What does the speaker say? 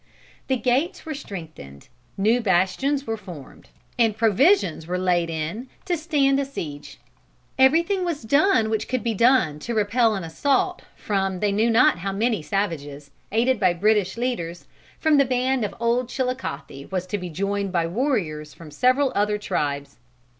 The gates were strengthened, new bastions were formed, and provisions were laid in, to stand a siege. Everything was done which could be done to repel an assault from they knew not how many savages, aided by British leaders, for the band from old Chilicothe, was to be joined by warriors from several other tribes.